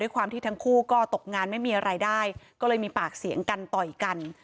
ความที่ทั้งคู่ก็ตกงานไม่มีอะไรได้ก็เลยมีปากเสียงกันต่อยกัน